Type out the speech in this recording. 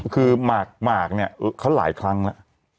คือหมากเนี่ยเขาหลายครั้งแล้ว